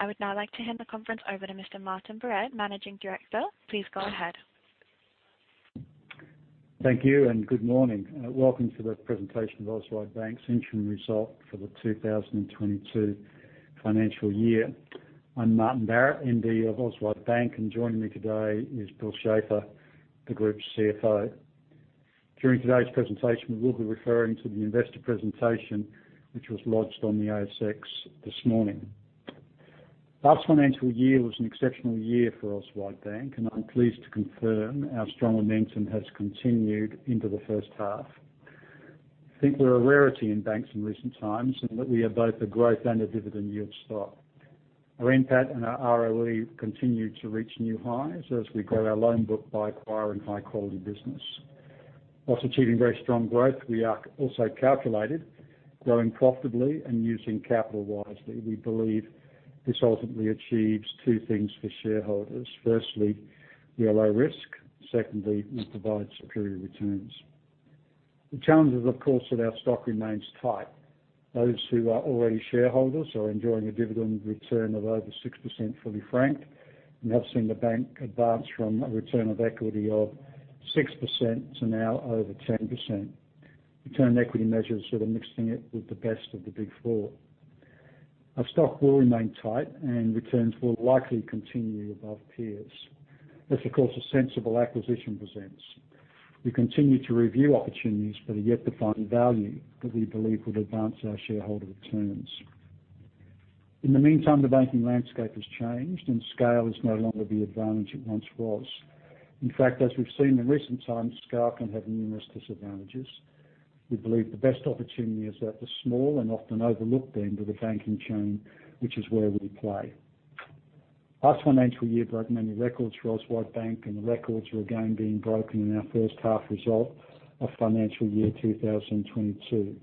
I would now like to hand the conference over to Mr. Martin Barrett, Managing Director. Please go ahead. Thank you and good morning. Welcome to the presentation of Auswide Bank's interim results for the 2022 financial year. I'm Martin Barrett, MD of Auswide Bank, and joining me today is Bill Schafer, the Group CFO. During today's presentation, we'll be referring to the investor presentation, which was lodged on the ASX this morning. Last financial year was an exceptional year for Auswide Bank, and I'm pleased to confirm our strong momentum has continued into the first half. I think we're a rarity in banks in recent times, in that we are both a growth and a dividend yield stock. Our NPAT and our ROE continue to reach new highs as we grow our loan book by acquiring high-quality businesses. While achieving very strong growth, we are also calculating, growing profitably, and using capital wisely. We believe this ultimately achieves two things for shareholders. Firstly, we are low risk. Secondly, we provide superior returns. The challenge is, of course, that our stock remains tight. Those who are already shareholders are enjoying a dividend return of over 6%, fully franked, and have seen the bank advance from a return on equity of 6% to over 10%. Our Return on Equity measures sort of mixing it with the best of the Big Four. Our stock will remain tight, and returns will likely continue above peers. If, of course, a sensible acquisition presents itself, we continue to review opportunities for the yet to find value that we believe will advance our shareholder returns. In the meantime, the banking landscape has changed, and scale is no longer the advantage it once was. In fact, as we've seen in recent times, scale can have numerous disadvantages. We believe the best opportunity is at the small and often overlooked end of the banking chain, which is where we play. Last financial year broke many records for Auswide Bank, and the records are again being broken in our first half results of the financial year 2022.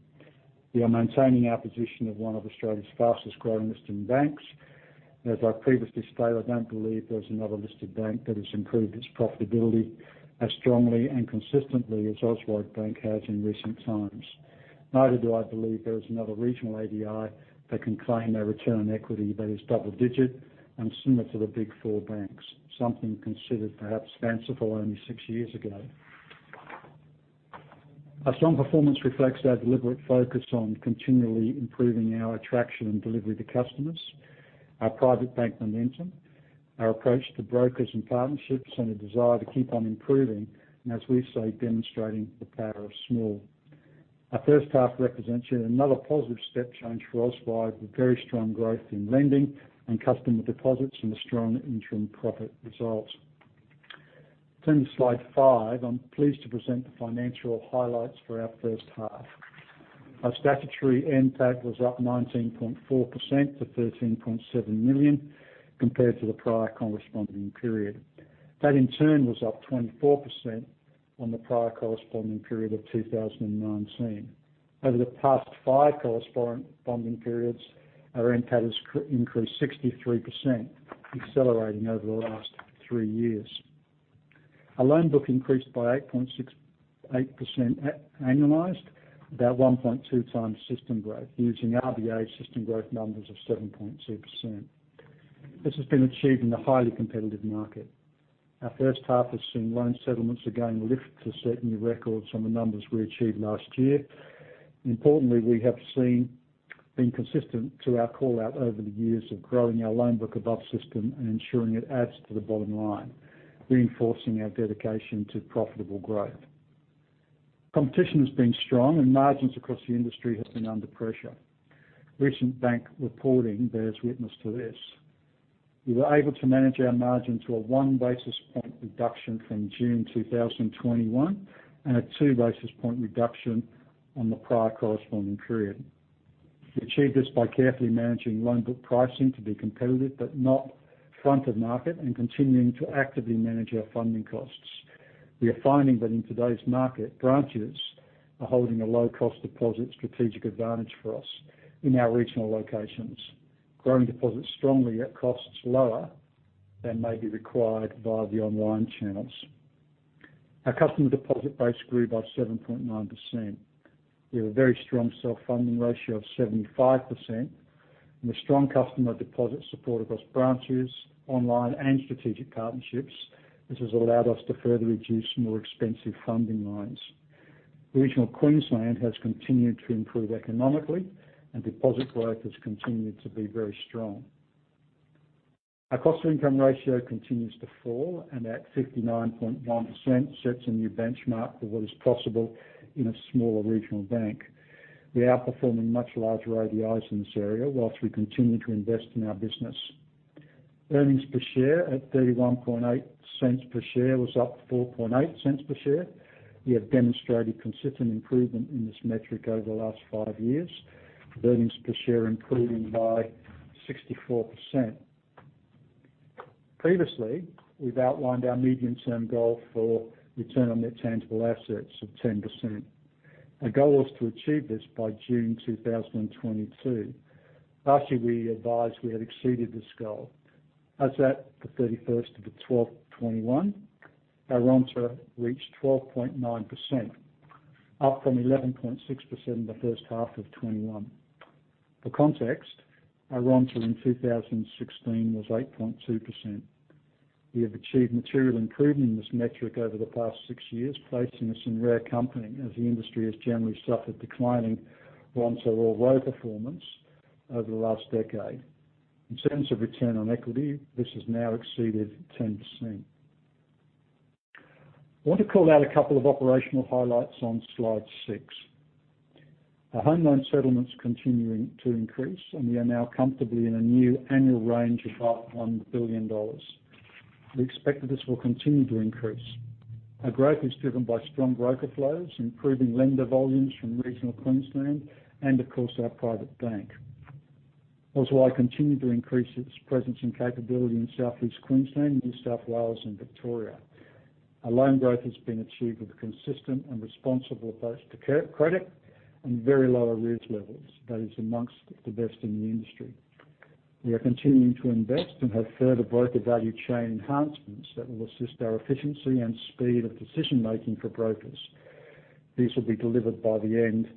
We are maintaining our position as one of Australia's fastest-growing listed banks. As I previously stated, I don't believe there's another listed bank that has improved its profitability as strongly and consistently as Auswide Bank has in recent times. Neither do I believe there is another regional ADI that can claim a return on equity that is double-digit and similar to the Big Four banks, something considered perhaps fanciful only six years ago. A strong performance reflects our deliberate focus on continually improving our attraction and delivery to customers, our private bank momentum, our approach to brokers and partnerships, and a desire to keep on improving, and as we say, demonstrating the power of small. Our first half represents yet another positive step change for Auswide, with very strong growth in lending and customer deposits and a strong interim profit result. Turning to slide five, I'm pleased to present the financial highlights for our first half. Our statutory NPAT was up 19.4% to 13.7 million, compared to the prior corresponding period. That, in turn, was up 24% on the prior corresponding period of 2019. Over the past five corresponding periods, our NPAT has increased 63%, accelerating over the last three years. Our loan book increased by 8.68% annualized, about 1.2x system growth, using RBA system growth numbers of 7.2%. This has been achieved in a highly competitive market. Our first half has seen loan settlements again lift to set new records on the numbers we achieved last year. Importantly, we have been consistent in our call out over the years of growing our loan book above system and ensuring it adds to the bottom line, reinforcing our dedication to profitable growth. Competition has been strong, and margins across the industry have been under pressure. Recent bank reporting bears witness to this. We were able to manage our margin to a 1 basis point reduction from June 2021 and a 2 basis point reduction on the prior corresponding period. We achieved this by carefully managing loan book pricing to be competitive but not at the front of the market and continuing to actively manage our funding costs. We are finding that in today's market, branches are holding a low-cost deposit strategic advantage for us in our regional locations, growing deposits strongly at costs lower than may be required via the online channels. Our customer deposit base grew by 7.9%. We have a very strong self-funding ratio of 75%, and a strong customer deposit support across branches, online, and strategic partnerships. This has allowed us to further reduce more expensive funding lines. Regional Queensland has continued to improve economically, and deposit growth has continued to be very strong. Our cost-to-income ratio continues to fall, and at 59.1%, it sets a new benchmark for what is possible in a smaller regional bank. We are outperforming much larger ADIs in this area while we continue to invest in our business. Earnings per share at 0.318 per share were up 0.048 per share. We have demonstrated consistent improvement in this metric over the last five years, with earnings per share improving by 64%. Previously, we've outlined our medium-term goal for return on net tangible assets of 10%. Our goal was to achieve this by June 2022. Last year, we advised that we had exceeded this goal. As of December 31st, 2021, our RONTA reached 12.9%. Up from 11.6% in the first half of 2021. For context, our RONTA in 2016 was 8.2%. We have achieved material improvement in this metric over the past six years, placing us in rare company as the industry has generally suffered declining RONTA or low performance over the last decade. In terms of return on equity, this has now exceeded 10%. I want to call out a couple of operational highlights on slide six. Our home loan settlements continue to increase, and we are now comfortably in a new annual range of up to 1 billion dollars. We expect that this will continue to increase. Our growth is driven by strong broker flows, improving lender volumes from regional Queensland, and, of course, our private bank. Also, I continue to increase its presence and capability in Southeast Queensland, New South Wales, and Victoria. Our loan growth has been achieved with a consistent and responsible approach to credit and very low arrears levels, which are among the best in the industry. We are continuing to invest and have further broker value chain enhancements that will assist our efficiency and speed of decision-making for brokers. These will be delivered by the end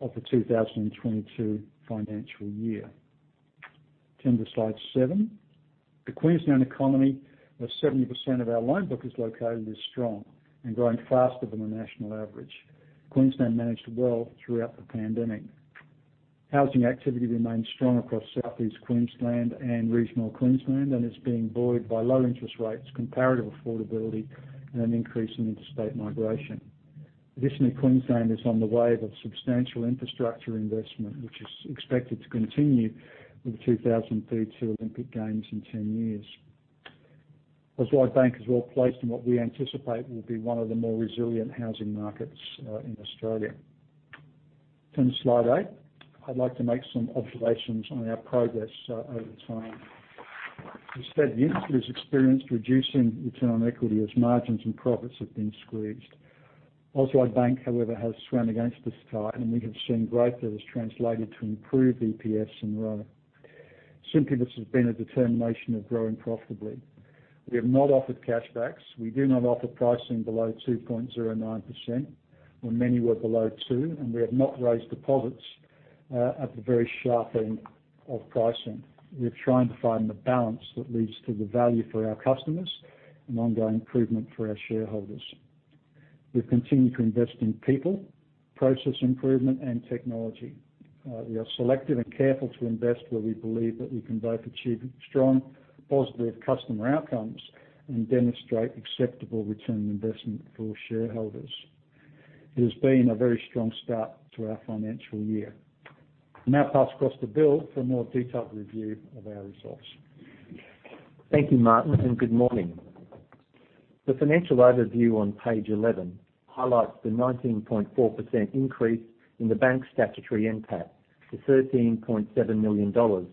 of the 2022 financial year. Turn to slide seven. The Queensland economy, where 70% of our loan book is located, is strong and growing faster than the national average. Queensland managed well throughout the pandemic. Housing activity remains strong across Southeast Queensland and regional Queensland, and is being buoyed by low interest rates, comparative affordability, and an increase in interstate migration. Additionally, Queensland is on the wave of substantial infrastructure investment, which is expected to continue with the 2032 Olympic Games in 10 years. Auswide Bank is well placed in what we anticipate will be one of the more resilient housing markets in Australia. Turn to slide eight. I'd like to make some observations on our progress over time. As Auswide has experienced a reduction in return on equity, margins and profits have been squeezed. Auswide Bank, however, has swam against this tide, and we have seen growth that has translated to improved EPS and ROA. Simply, this has been a determination of growing profitability. We have not offered cash back. We do not offer pricing below 2.09% when many were below 2%, and we have not raised deposits, at the very sharp end of pricing. We are trying to find the balance that leads to value for our customers and ongoing improvement for our shareholders. We've continued to invest in people, process improvement, and technology. We are selective and careful to invest where we believe that we can both achieve strong positive customer outcomes and demonstrate acceptable return on investment for shareholders. It has been a very strong start to our financial year. Now pass across to Bill for a more detailed review of our results. Thank you, Martin, and good morning. The financial overview on page 11 highlights the 19.4% increase in the bank's statutory NPAT to 13.7 million dollars,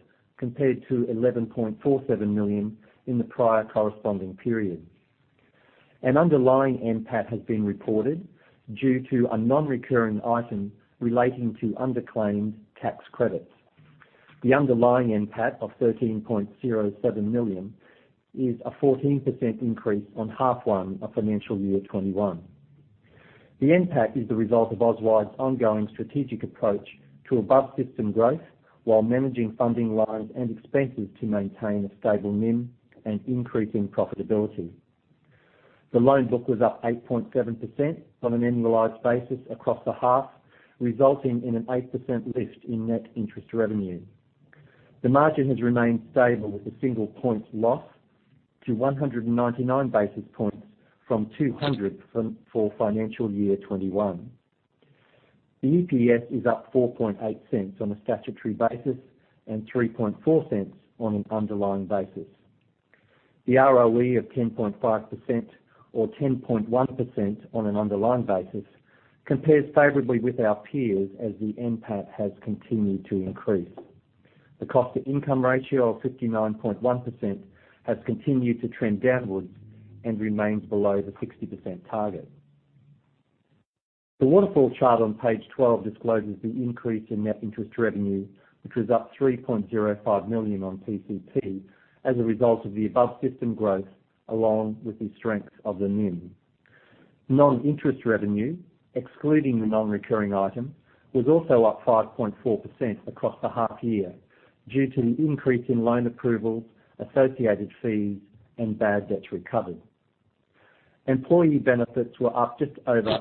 compared to 11.47 million in the prior corresponding period. An underlying NPAT has been reported due to a non-recurring item relating to underclaimed tax credits. The underlying NPAT of 13.07 million is a 14% increase on half of the financial year 2021. The NPAT is the result of Auswide's ongoing strategic approach to above system growth while managing funding lines and expenses to maintain a stable NIM and increasing profitability. The loan book was up 8.7% on an annualized basis across the half, resulting in an 8% lift in net interest revenue. The margin has remained stable with a single point loss to 199 basis points from 200 for the financial year 2021. The EPS is up 0.048 on a statutory basis and 0.034 on an underlying basis. The ROE of 10.5% or 10.1% on an underlying basis compares favorably with our peers, as the NPAT has continued to increase. The cost-to-income ratio of 59.1% has continued to trend downwards and remains below the 60% target. The waterfall chart on page 12 discloses the increase in net interest revenue, which was up 3.05 million on PCP as a result of the above system growth, along with the strength of the NIM. Non-interest revenue, excluding the non-recurring item, was also up 5.4% across the half-year due to the increase in loan approvals, associated fees, and bad debts recovered. Employee benefits were up just over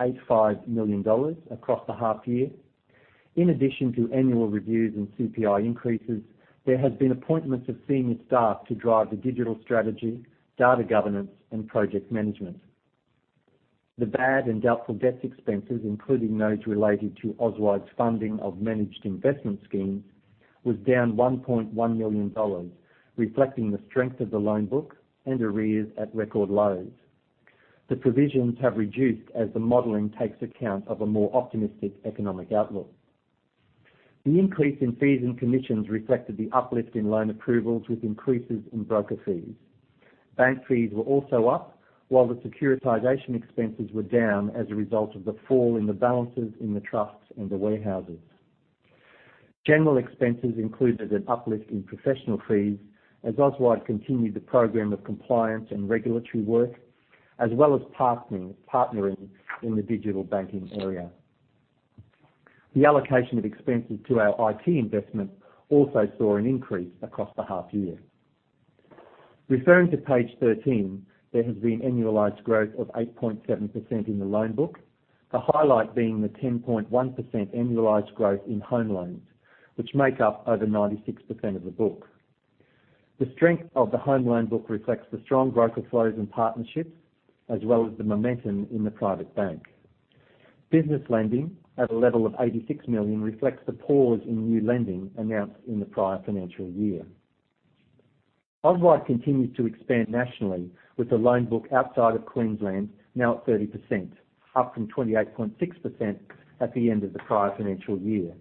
0.85 million dollars across the half-year. In addition to annual reviews and CPI increases, there have been appointments of senior staff to drive the digital strategy, data governance, and project management. The bad and doubtful debts expenses, including those related to Auswide's funding of managed investment schemes, were down 1.1 million dollars, reflecting the strength of the loan book and arrears at record lows. The provisions have been reduced as the modeling takes account of a more optimistic economic outlook. The increase in fees and commissions reflected the uplift in loan approvals, with increases in broker fees. Bank fees were also up while the securitization expenses were down as a result of the fall in the balances in the trusts and the warehouses. General expenses included an uplift in professional fees as Auswide continued the program of compliance and regulatory work, as well as partnering in the digital banking area. The allocation of expenses to our IT investment also saw an increase across the half-year. Referring to page 13, there has been an annualized growth of 8.7% in the loan book. The highlight being the 10.1% annualized growth in home loans, which make up over 96% of the book. The strength of the home loan book reflects the strong broker flows and partnerships, as well as the momentum in the private bank. Business lending at a level of 86 million reflects the pause in new lending announced in the prior financial year. Auswide continues to expand nationally, with the loan book outside of Queensland now at 30%, up from 28.6% at the end of the prior financial year.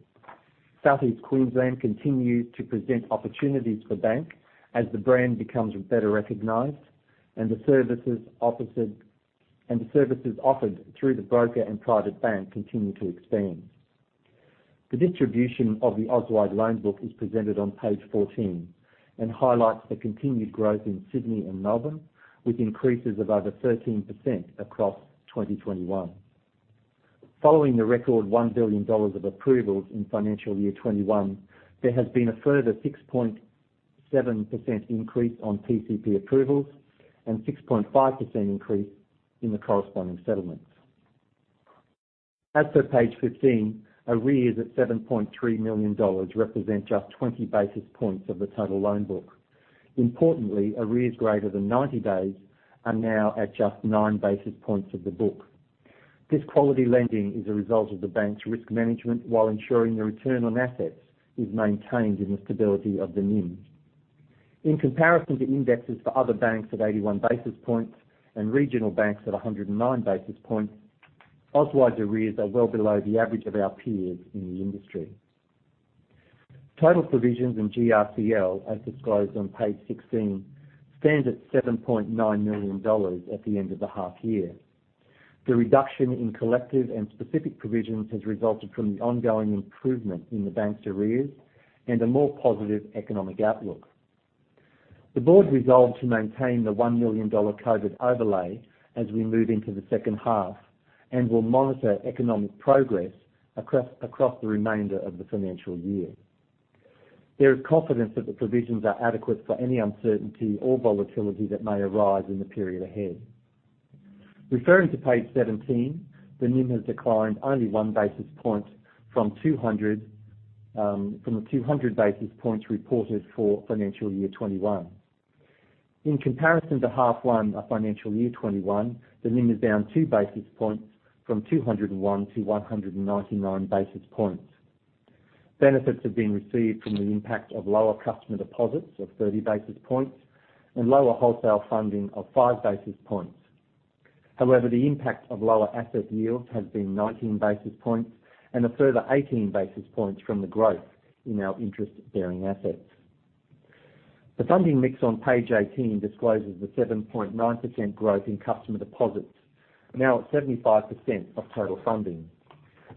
Southeast Queensland continues to present opportunities for the bank as the brand becomes better recognized and the services offered through the broker and private bank continue to expand. The distribution of the Auswide loan book is presented on page 14 and highlights the continued growth in Sydney and Melbourne, with increases of over 13% across 2021. Following the record 1 billion dollars of approvals in the financial year 2021, there has been a further 6.7% increase in PCP approvals and 6.5% increase in the corresponding settlements. As for page 15, arrears at 7.3 million dollars represent just 20 basis points of the total loan book. Importantly, arrears greater than 90 days are now at just 9 basis points of the book. This quality lending is a result of the bank's risk management while ensuring the return on assets is maintained in the stability of the NIM. In comparison to indexes for other banks at 81 basis points and regional banks at 109 basis points, Auswide's arrears are well below the average of our peers in the industry. Total provisions in GRCL, as disclosed on page 16, stand at 7.9 million dollars at the end of the half-year. The reduction in collective and specific provisions has resulted from the ongoing improvement in the bank's arrears and a more positive economic outlook. The board resolved to maintain the 1 million dollar COVID overlay as we move into the second half and will monitor economic progress across the remainder of the financial year. There is confidence that the provisions are adequate for any uncertainty or volatility that may arise in the period ahead. Referring to page 17, the NIM has declined by only 1 basis point from 200, from the 200 basis points reported for the financial year 2021. In comparison to half of the financial year 2021, the NIM is down 2 basis points from 201 to 199 basis points. Benefits have been received from the impact of lower customer deposits of 30 basis points and lower wholesale funding of 5 basis points. However, the impact of lower asset yields has been 19 basis points and a further 18 basis points from the growth in our interest-bearing assets. The funding mix on page 18 discloses the 7.9% growth in customer deposits, now at 75% of total funding.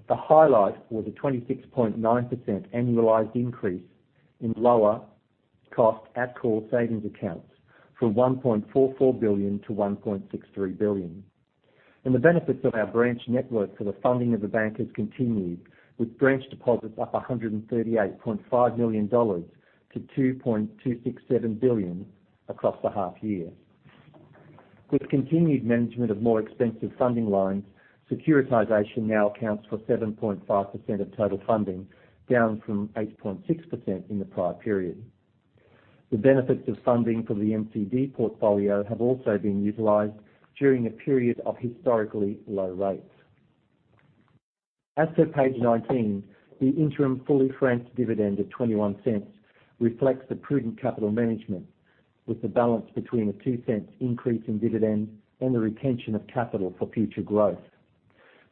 The highlight was a 26.9% annualized increase in lower-cost at-call savings accounts from 1.44 billion to 1.63 billion. The benefits of our branch network for the funding of the bank have continued, with branch deposits up 138.5 million dollars to 2.267 billion across the half year. With continued management of more expensive funding lines, securitization now accounts for 7.5% of total funding, down from 8.6% in the prior period. The benefits of funding for the MBS portfolio have also been utilized during a period of historically low rates. As for page 19, the interim fully franked dividend of 0.21 reflects the prudent capital management with the balance between an 0.02 increase in dividends and the retention of capital for future growth.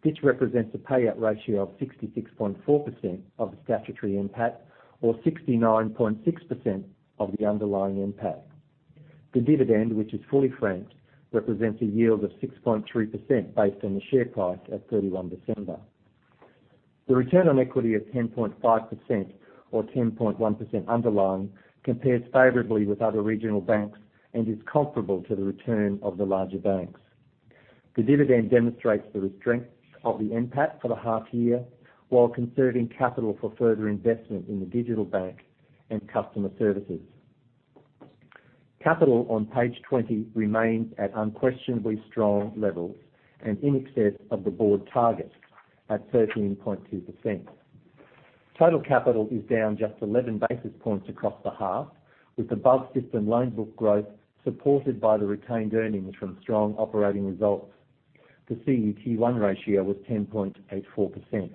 This represents a payout ratio of 66.4% of the statutory NPAT, or 69.6% of the underlying NPAT. The dividend, which is fully franked, represents a yield of 6.3% based on the share price at December 31. The return on equity of 10.5% or 10.1% underlying compares favorably with other regional banks and is comparable to the return of the larger banks. The dividend demonstrates the strength of the NPAT for the half year while conserving capital for further investment in the digital bank and customer services. Capital on page 20 remains at unquestionably strong levels and in excess of the board target at 13.2%. Total capital is down just 11 basis points across the half, with above system loan book growth supported by the retained earnings from strong operating results. The CET1 ratio was 10.84%.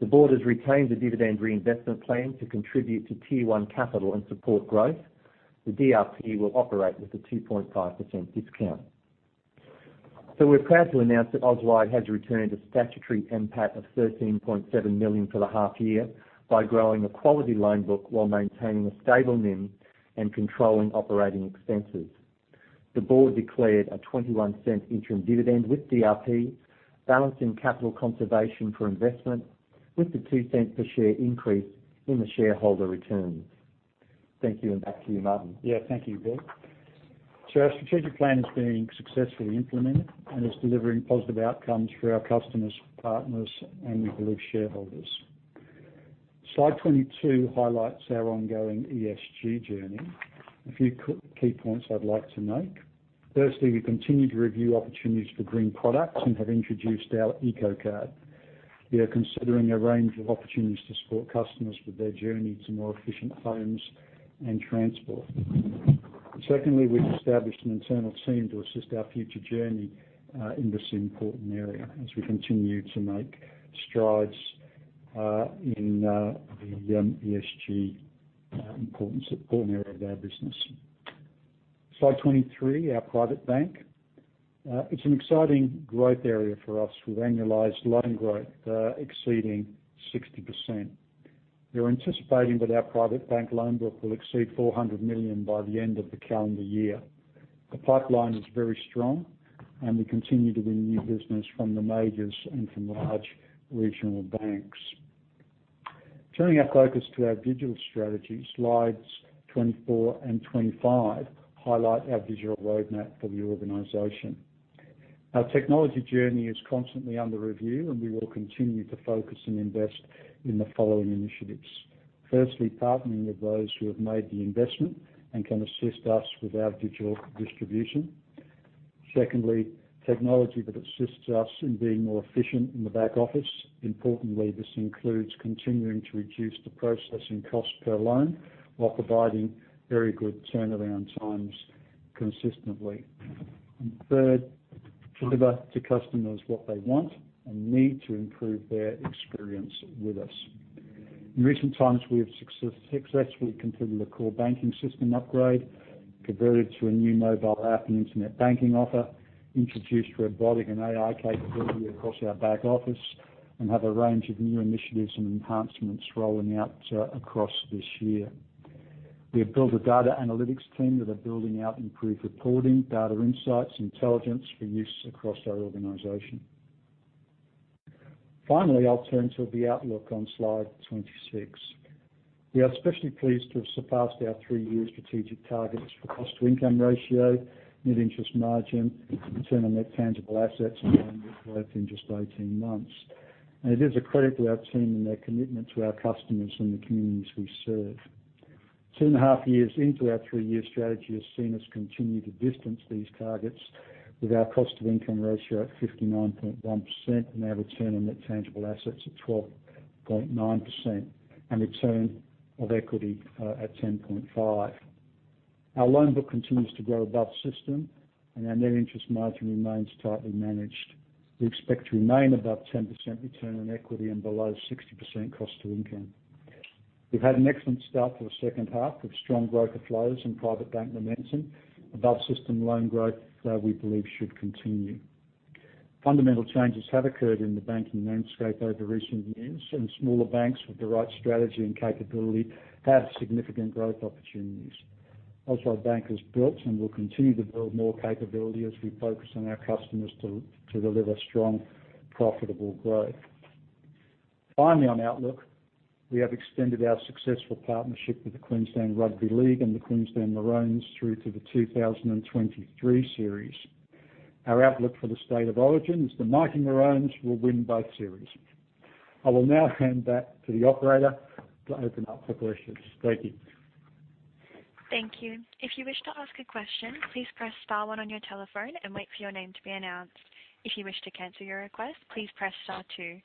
The board has retained a dividend reinvestment plan to contribute to Tier 1 capital and support growth. The DRP will operate with a 2.5% discount. We're proud to announce that Auswide has returned a statutory NPAT of 13.7 million for the half year by growing a quality loan book while maintaining a stable NIM and controlling operating expenses. The board declared an 0.21 interim dividend with DRP balanced in capital conservation for investment, with the 0.02 per share increase in the shareholder returns. Thank you. Back to you, Martin. Yeah, thank you, Bill. Our strategic plan is being successfully implemented and is delivering positive outcomes for our customers, partners, and, we believe, shareholders. Slide 22 highlights our ongoing ESG journey. A few key points I'd like to make. Firstly, we continue to review opportunities for green products and have introduced our eco card. We are considering a range of opportunities to support customers with their journey to more efficient homes and transport. Secondly, we've established an internal team to assist our future journey in this important area as we continue to make strides in the ESG support area of our business. Slide 23, our private bank. It's an exciting growth area for us, with annualized loan growth exceeding 60%. We're anticipating that our private bank loan book will exceed 400 million by the end of the calendar year. The pipeline is very strong, and we continue to win new business from the majors and from large regional banks. Turning our focus to our digital strategy, slides 24 and 25 highlight our digital roadmap for the organization. Our technology journey is constantly under review, and we will continue to focus and invest in the following initiatives. Firstly, partnering with those who have made the investment and can assist us with our digital distribution. Secondly, technology that assists us in being more efficient in the back office. Importantly, this includes continuing to reduce the processing cost per loan while providing very good turnaround times consistently. Third, deliver to customers what they want and need to improve their experience with us. In recent times, we have successfully completed a core banking system upgrade, converted to a new mobile app and internet banking offer, introduced robotic and AI capability across our back office, and have a range of new initiatives and enhancements rolling out across this year. We have built a data analytics team that is building out improved reporting, data insights, and intelligence for use across our organization. Finally, I'll turn to the outlook on slide 26. We are especially pleased to have surpassed our three-year strategic targets for cost-to-income ratio, net interest margin, return on net tangible assets, and loan growth in just 18 months. It is a credit to our team and their commitment to our customers and the communities we serve. Two and a half years into our three-year strategy has seen us continue to distance these targets with our cost-to-income ratio at 59.1%, our Return on Net Tangible Assets at 12.9%, and our Return on Equity at 10.5. Our loan book continues to grow above system, and our net interest margin remains tightly managed. We expect to remain above 10% return on equity and below 60% cost-to-income. We've had an excellent start to the second half with strong growth of flows and private bank momentum. Above system loan growth, we believe, should continue. Fundamental changes have occurred in the banking landscape over recent years, and smaller banks with the right strategy and capability have significant growth opportunities. Auswide Bank has built and will continue to build more capability as we focus on our customers to deliver strong, profitable growth. Finally, on outlook, we have extended our successful partnership with the Queensland Rugby League and the Queensland Maroons through to the 2023 series. Our outlook for the State of Origin is that the mighty Maroons will win both series. I will now hand back to the operator to open up for questions. Thank you. Thank you. If you wish to ask a question, please press star one on your telephone and wait for your name to be announced. If you wish to cancel your request, please press star two. If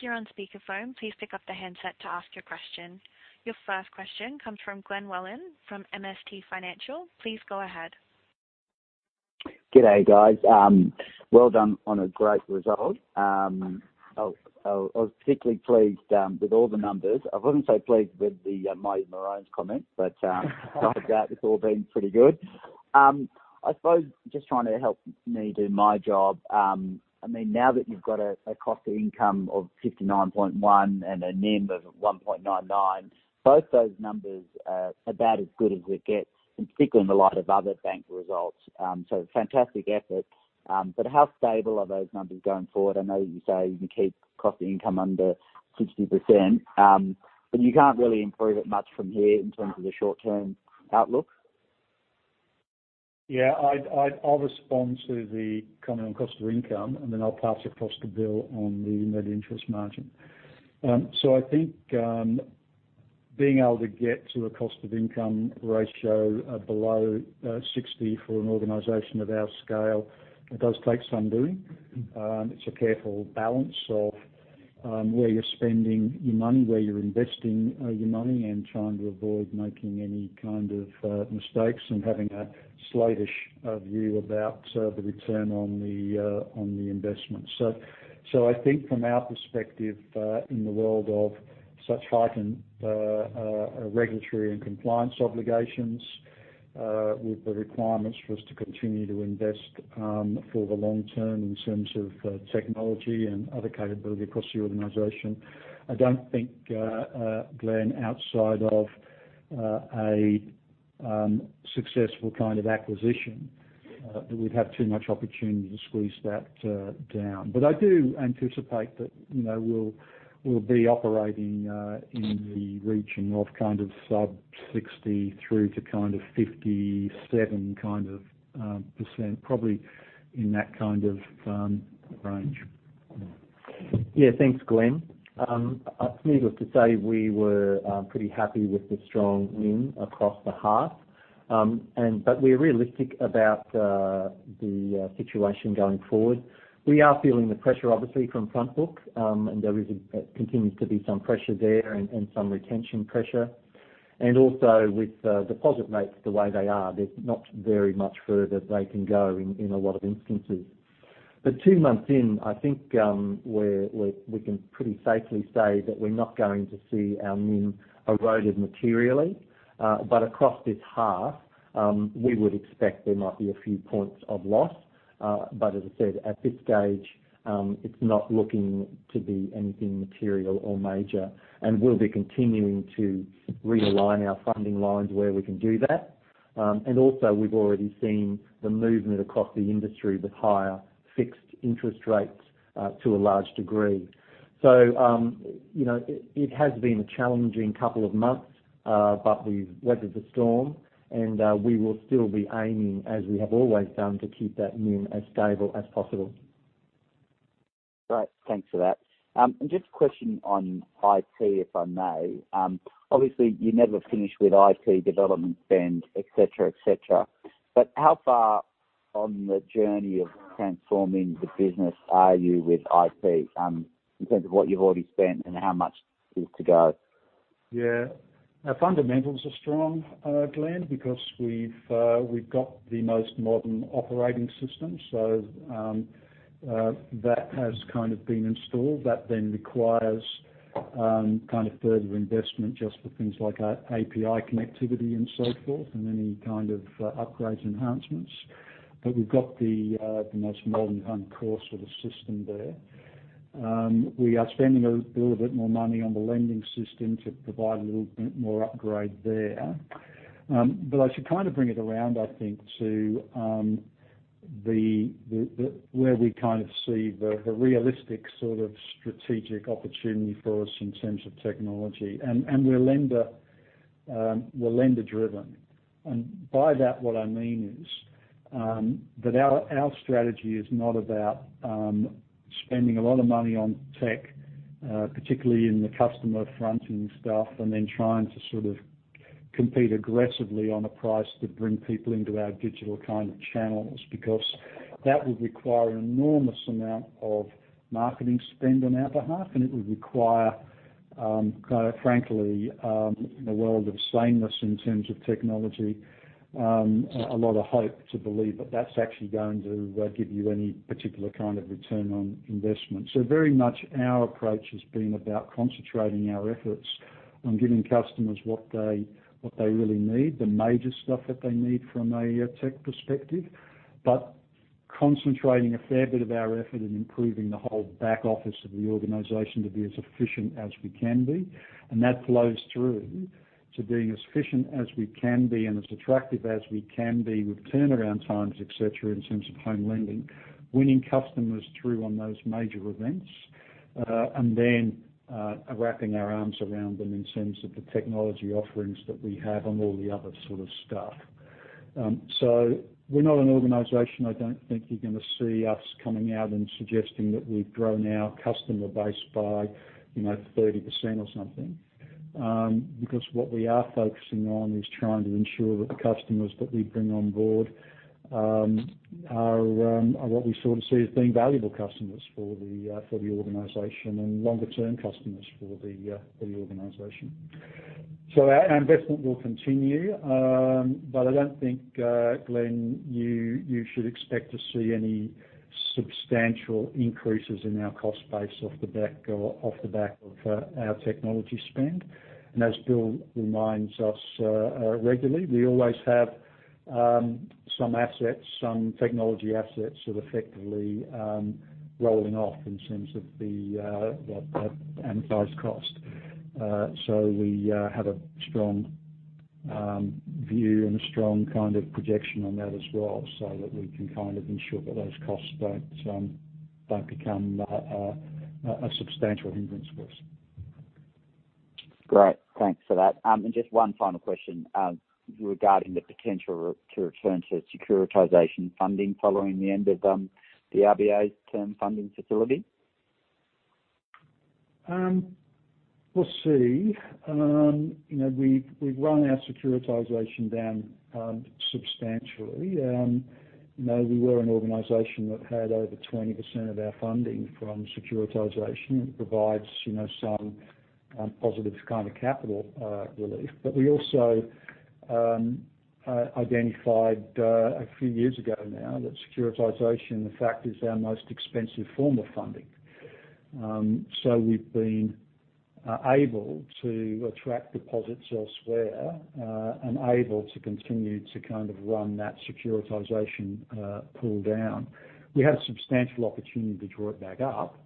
you're on speakerphone, please pick up the handset to ask your question. Your first question comes from Glenn Welling from MST Financial. Please go ahead. Good day, guys. Well done on a great result. I was particularly pleased with all the numbers. I wasn't so pleased with the mighty Maroons comment, but apart from that, it's all been pretty good. I suppose just trying to help me do my job, I mean, now that you've got a cost-to-income of 59.1 and a NIM of 1.99, both those numbers are about as good as it gets, and particularly in the light of other bank results. Fantastic effort. How stable are those numbers going forward? I know you say you can keep cost-to-income under 60%, but you can't really improve it much from here in terms of the short-term outlook. I'll respond to the comment on cost-to-income, and then I'll pass it on to Bill on the net interest margin. I think being able to get to a cost-to-income ratio below 60% for an organization of our scale does take some doing. It's a careful balance of where you're spending your money, where you're investing your money, and trying to avoid making any kind of mistakes and having a longish view about the return on the investment. I think from our perspective in the world of such heightened regulatory and compliance obligations with the requirements for us to continue to invest for the long term in terms of technology and other capabilities across the organization, I don't think Glenn, outside of a successful kind of acquisition, that we'd have too much opportunity to squeeze that down. I do anticipate that you know we'll be operating in the region of kind of sub-60% through to kind of 57% kind of, probably in that kind of range. Yeah. Thanks, Glenn. Needless to say, we were pretty happy with the strong win across the half. We're realistic about the situation going forward. We are feeling the pressure, obviously from the front book, and there continues to be some pressure there and some retention pressure. Also, with deposit rates the way they are, there's not very much further they can go in a lot of instances. Two months in, I think, we can pretty safely say that we're not going to see our NIM eroded materially. Across this half, we would expect there might be a few points of loss. As I said, at this stage, it's not looking to be anything material or major, and we'll be continuing to realign our funding lines where we can do that. Also, we've already seen the movement across the industry with higher fixed interest rates to a large degree. You know, it has been a challenging couple of months, but we've weathered the storm, and we will still be aiming, as we have always done, to keep that NIM as stable as possible. Great. Thanks for that. Just a question on IT, if I may. Obviously, you never finish with IT development spend, et cetera, et cetera. How far on the journey of transforming the business are you with IT, in terms of what you've already spent and how much is to go? Yeah. Our fundamentals are strong, Glenn, because we've got the most modern operating system. That has kind of been installed. That then requires a kind of further investment just for things like API connectivity and so forth, and any kind of upgrades, enhancements. We've got the most modern core of the system there. We are spending a little bit more money on the lending system to provide a little bit more upgrade there. I should kind of bring it around, I think, to where we kind of see the realistic sort of strategic opportunity for us in terms of technology. We're lender-driven. By that, what I mean is that our strategy is not about spending a lot of money on tech, particularly in the customer front and stuff, and then trying to sort of compete aggressively on a price to bring people into our digital kind of channels, because that would require an enormous amount of marketing spend on our behalf, and it would require kind of frankly, in a world of sameness in terms of technology, a lot of hope to believe that that's actually going to give you any particular kind of return on investment. Very much our approach has been about concentrating our efforts on giving customers what they really need, the major stuff that they need from a tech perspective, but concentrating a fair bit of our effort on improving the whole back office of the organization to be as efficient as we can be. That flows through to being as efficient as we can be and as attractive as we can be with turnaround times, et cetera, in terms of home lending, winning customers through on those major events, and then wrapping our arms around them in terms of the technology offerings that we have on all the other sorts of stuff. We're not an organization. I don't think you're gonna see us coming out and suggesting that we've grown our customer base by, you know, 30% or something. Because what we are focusing on is trying to ensure that the customers that we bring on board are what we sort of see as being valuable customers for the organization and longer-term customers for the organization. Our investment will continue, but I don't think, Glenn, you should expect to see any substantial increases in our cost base off the back of our technology spend. As Bill reminds us regularly, we always have some technology assets that are effectively rolling off in terms of the amortized cost. We have a strong view and a strong kind of projection on that as well, so that we can kind of ensure that those costs don't become a substantial hindrance for us. Great. Thanks for that. Just one final question regarding the potential return to securitization funding following the end of the RBA's Term Funding Facility. We'll see. You know, we've run our securitization down substantially. You know, we were an organization that had over 20% of our funding from securitization. It provides, you know, some positive kind of capital relief. We also identified a few years ago that securitization, in fact, is our most expensive form of funding. We've been able to attract deposits elsewhere and able to continue to kind of run that securitization pool down. We have a substantial opportunity to draw it back up.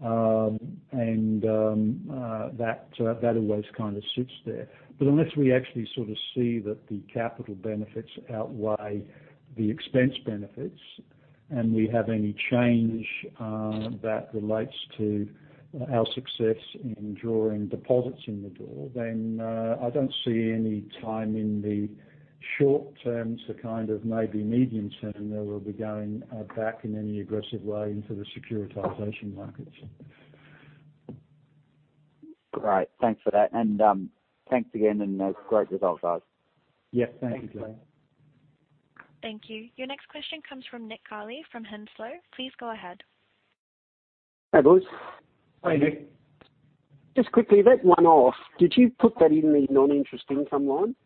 That always kind of sits there. Unless we actually sort of see that the capital benefits outweigh the expense benefits and we have any chance that relates to our success in drawing deposits in the door, then I don't see any time in the short term to kind of maybe medium-term, you know, we'll be going back in any aggressive way into the securitization markets. Great. Thanks for that, and thanks again, and great result, guys. Yes. Thank you. Thanks. Thank you. Your next question comes from Nick Ghali from Hanslow. Please go ahead. Hi, boys. Hi, Nick. Just quickly, that one-off, did you put that in the non-interest income line?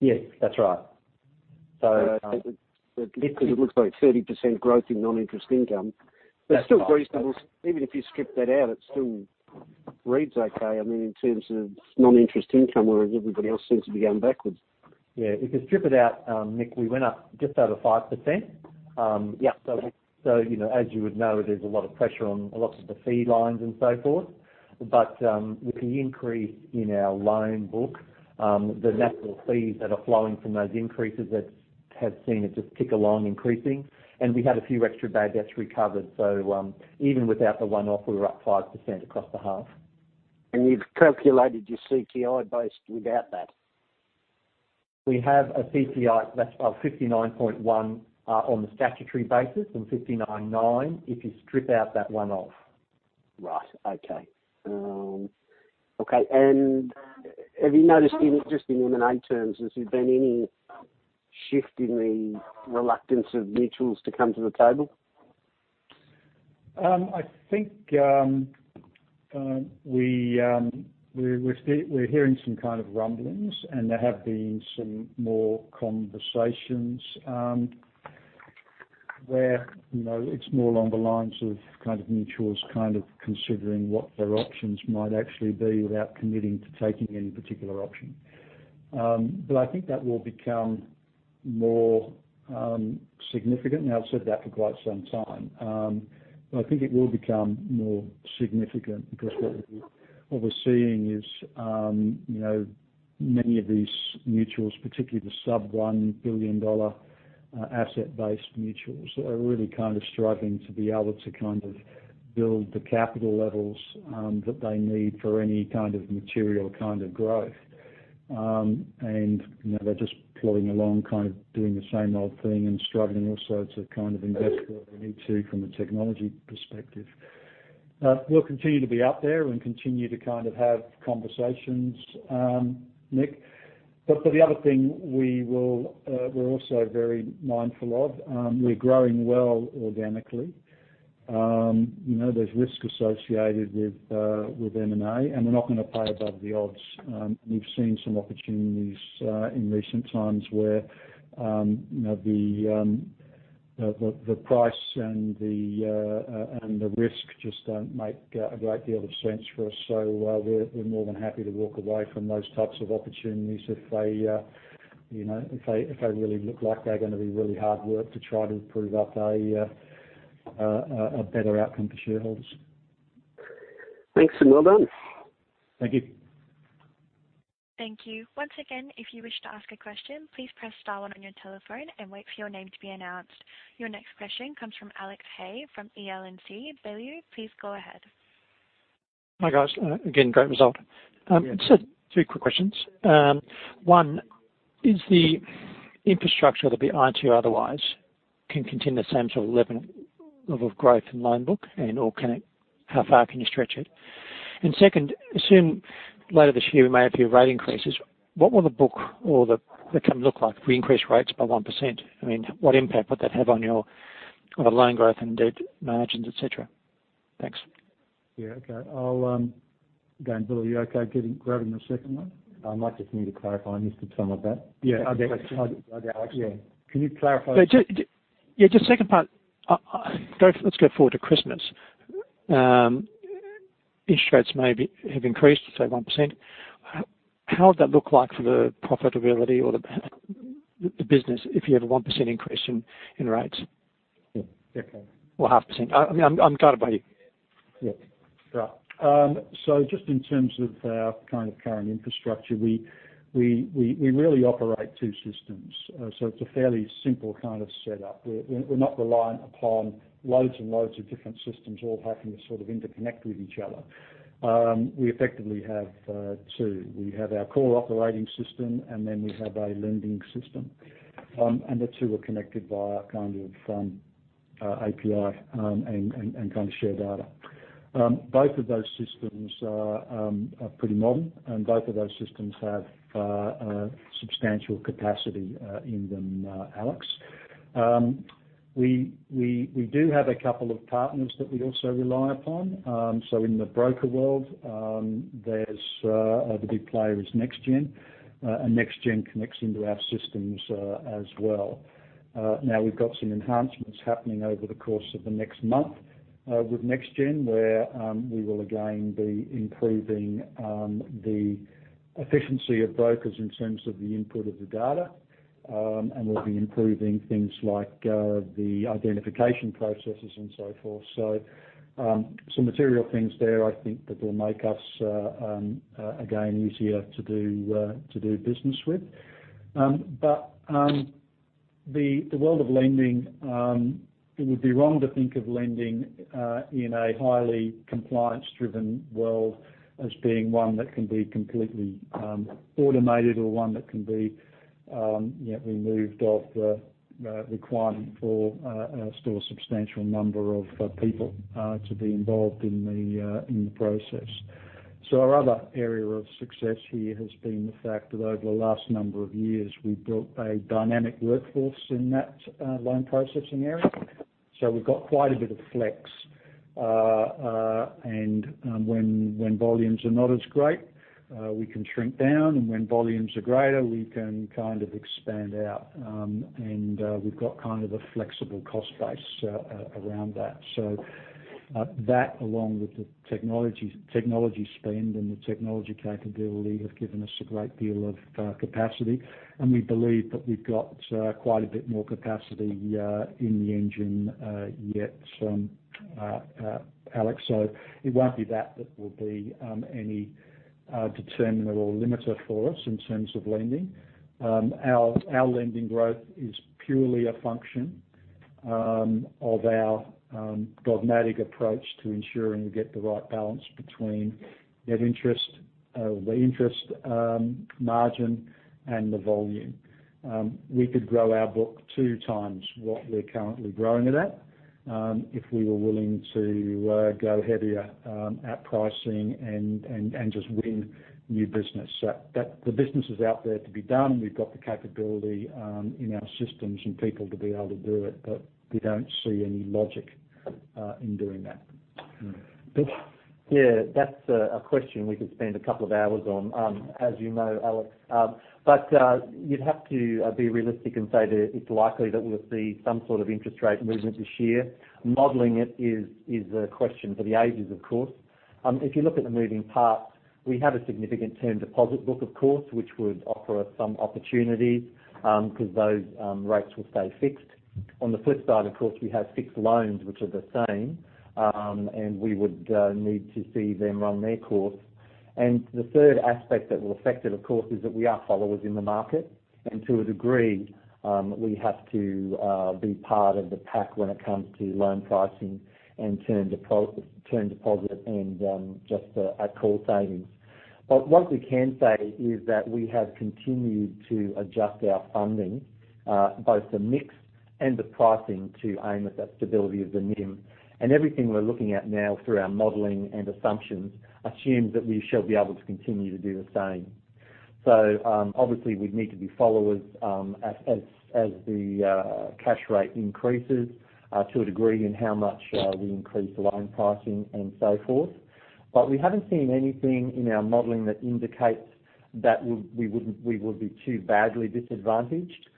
Yes, that's right. All right. Because it looks like 30% growth in non-interest income. That's right. Still reasonable. Even if you strip that out, it still reads okay, I mean, in terms of non-interest income, whereas everybody else seems to be going backwards. Yeah. If you strip it out, Nick, we went up just over 5%. Yeah. You know, as you would know, there's a lot of pressure on lots of the fee lines and so forth. With the increase in our loan book, the natural fees that are flowing from those increases have seen it just tick along increasing. We had a few extra bad debts recovered. Even without the one-off, we were up 5% across the half. Have you calculated your CTI base without that? We have a CTI that's 59.1% on the statutory basis and 59.9% if you strip out that one-off. Right. Okay. Okay. Have you noticed any interest in M&A terms? Has there been any shift in the reluctance of mutuals to come to the table? I think we're hearing some kind of rumblings, and there have been some more conversations, where you know, it's more along the lines of kind of mutuals kind of considering what their options might actually be without committing to taking any particular option. I think that will become more significant. Now, I've said that for quite some time. I think it will become more significant because what we're seeing is, you know, many of these mutuals, particularly the sub-AUD 1 billion asset-based mutuals, are really kind of struggling to be able to kind of build the capital levels that they need for any kind of material kind of growth. You know, they're just plodding along, kind of doing the same old thing, and struggling also to kind of invest where they need to from a technology perspective. We'll continue to be out there and continue to kind of have conversations, Nick. But for the other thing, we're also very mindful of. We're growing well organically. You know, there's risk associated with M&A, and we're not gonna play above the odds. We've seen some opportunities in recent times where, you know, the price and the risk just don't make a great deal of sense for us. We're more than happy to walk away from those types of opportunities if they, you know, if they really look like they're gonna be really hard work to try to prove up a better outcome for shareholders. Thanks, and well done. Thank you. Thank you. Once again, if you wish to ask a question, please press star one on your telephone and wait for your name to be announced. Your next question comes from Alex Hay from E.L. & C. Baillieu. Please go ahead. Hi, guys. Again, great result. Yeah. Two quick questions. One, is the infrastructure able to continue the same sort of level of growth in the loan book, and/or how far can you stretch it? Second, assume later this year, we may have a few rate increases. What will the book or the company look like if we increase rates by 1%? I mean, what impact would that have on your kind of loan growth and net margins, et cetera? Thanks. Yeah, okay. Again, Bill, are you okay grabbing the second one? I might just need to clarify. I missed some of that. Yeah. Yeah. Can you clarify? Yeah, just the second part. Let's go forward to Christmas. Interest rates may have increased, let's say, 1%. How would that look for the profitability of the business if you have a 1% increase in rates? Yeah. Okay. 0.5%. I mean, I'm guided by you. Yeah. Right. Just in terms of our kind of current infrastructure, we really operate two systems. It's a fairly simple kind of setup. We're not reliant upon loads and loads of different systems all having to sort of interconnect with each other. We effectively have two. We have our core operating system, and then we have a lending system. The two are connected via an API and kind of share data. Both of those systems are pretty modern, and both of those systems have substantial capacity in them, Alex. We do have a couple of partners that we also rely upon. In the broker world, there's... The big player is NextGen, and NextGen connects to our systems, as well. Now we've got some enhancements happening over the course of the next month, with NextGen, where we will again be improving the efficiency of brokers in terms of the input of the data. And we'll be improving things like the identification processes and so forth. Some material things are there, I think that will make it easier for us to do business with. The world of lending, it would be wrong to think of lending in a highly compliance-driven world as being one that can be completely automated or one that can be completely removed of the requirement for a substantial number of people to be involved in the process. Our other area of success here has been the fact that over the last number of years, we've built a dynamic workforce in that loan processing area. We've got quite a bit of flex. When volumes are not as great, we can shrink down, and when volumes are greater, we can kind of expand out. We've got kind of a flexible cost base around that. That, along with the technology spend and the technology capability, has given us a great deal of capacity. We believe that we've got quite a bit more capacity in the engine yet, Alex. It won't be that there will be any determinant or limiter for us in terms of lending. Our lending growth is purely a function of our dogmatic approach to ensuring we get the right balance between net interest margin and volume. We could grow our book 2x what we're currently growing it at, if we were willing to go heavier at pricing and just win new business. The business is out there to be done. We've got the capability in our systems and people to be able to do it, but we don't see any logic in doing that. Yeah, that's a question we could spend a couple of hours on, as you know, Alex. You'd have to be realistic and say that it's likely that we'll see some sort of interest rate movement this year. Modeling it is a question for the ages, of course. If you look at the moving parts, we have a significant term deposit book, of course, which would offer us some opportunities, because those rates will stay fixed. On the flip side, of course, we have fixed loans, which are the same, and we would need to see them run their course. The third aspect that will affect it, of course, is that we are followers in the market. To a degree, we have to be part of the pack when it comes to loan pricing and term deposit, and just our core savings. But what we can say is that we have continued to adjust our funding, both the mix and the pricing, to aim at that stability of the NIM. Everything we're looking at now through our modeling and assumptions assumes that we shall be able to continue to do the same. Obviously, we'd need to be followers, as the cash rate increases, to a degree in how much we increase the loan pricing and so forth. But we haven't seen anything in our modeling that indicates that we wouldn't be too badly disadvantaged.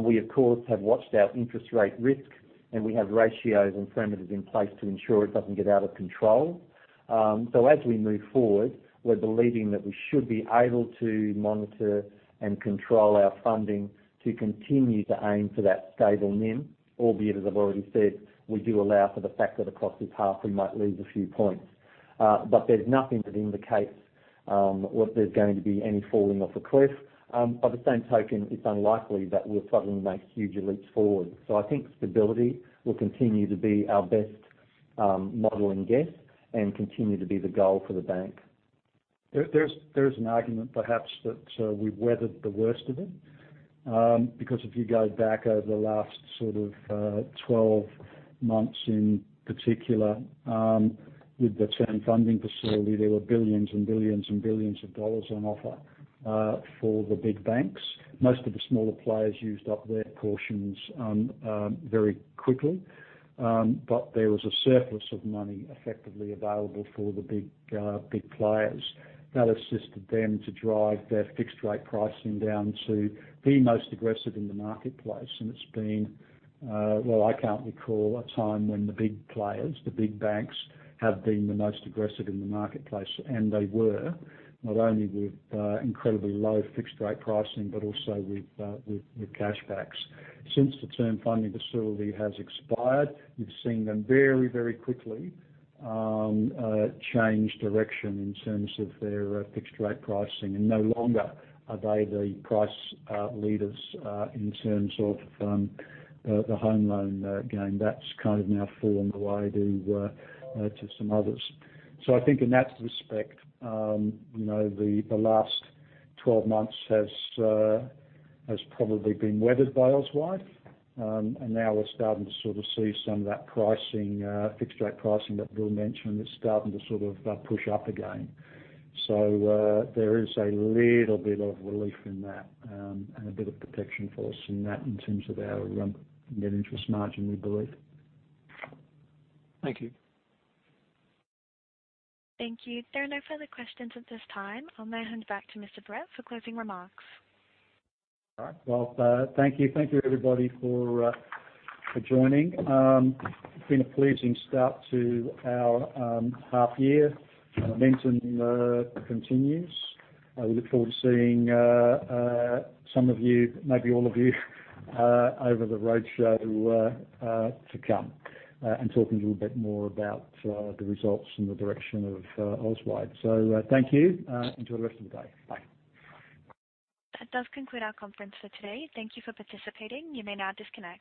We, of course, have watched our interest rate risk, and we have ratios and parameters in place to ensure it doesn't get out of control. As we move forward, we believe that we should be able to monitor and control our funding to continue to aim for that stable NIM, albeit, as I've already said, we do allow for the fact that across this half, we might lose a few points. There's nothing that indicates whether there's going to be any falling off a cliff. By the same token, it's unlikely that we'll suddenly make huge leaps forward. I think stability will continue to be our best modeling guess and continue to be the goal for the bank. There is an argument, perhaps, that we've weathered the worst of it. Because if you go back over the last sort of 12 months in particular, with the Term Funding Facility, there were billions on offer for the big banks. Most of the smaller players used up their portions very quickly. There was a surplus of money effectively available for the big players. That assisted them in driving their fixed rate pricing down to be the most aggressive in the marketplace. It's been, well, I can't recall a time when the big players, the big banks, have been the most aggressive in the marketplace. They were not only offering incredibly low fixed rate pricing, but also with cash back. Since the Term Funding Facility has expired, you've seen them very, very quickly change direction in terms of their fixed rate pricing. No longer are they the price leaders in terms of the home loan game. That's kind of fallen away to some others. I think in that respect, you know, the last 12 months have probably been weathered by Auswide. Now we're starting to sort of see some of that fixed-rate pricing that Bill mentioned. It's starting to sort of push up again. There is a little bit of relief in that, and a bit of protection for us in that, in terms of our net interest margin, we believe. Thank you. Thank you. There are no further questions at this time. I'll now hand back to Mr. Barrett for closing remarks. All right. Well, thank you. Thank you, everybody, for joining. It's been a pleasing start to our half-year. The momentum continues. We look forward to seeing some of you, maybe all of you, over the roadshow to come, and talking to you a bit more about the results and the direction of Auswide. Thank you, enjoy the rest of the day. Bye. That does conclude our conference for today. Thank you for participating. You may now disconnect.